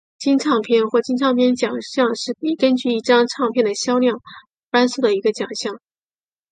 金唱片或金唱片奖项是根据一张唱片的销量而颁授的一个奖项。